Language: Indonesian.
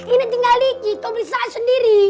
ini tinggal iki kau beli saya sendiri